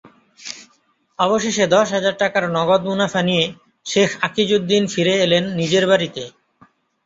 অবশেষে দশ হাজার টাকার নগদ মুনাফা নিয়ে শেখ আকিজউদ্দীন ফিরে এলেন নিজের বাড়িতে।